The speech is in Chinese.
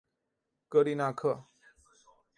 戈利纳克。